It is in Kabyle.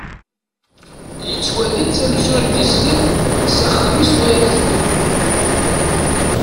Yettwali-tt amzun d tislit, s axxam-is mi ara teddu.